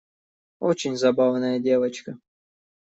Очень забавная девочка.